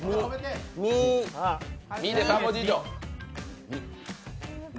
みで３文字以上。